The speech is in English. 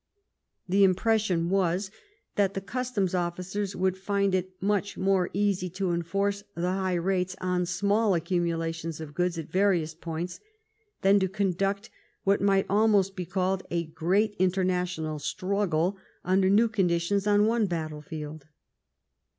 The impression was that the customs officers would find it much more easy to enforce the high rates on small accumulations of goods at various places than to conduct what might almost be called a great inter national struggle imder new conditions on one battle field.